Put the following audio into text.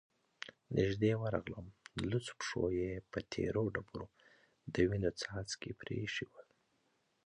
نږدې ورغلم، لوڅو پښو يې په تېرو ډبرو د وينو څاڅکې پرېښي ول،